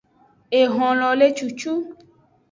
Ehonlo le cucu.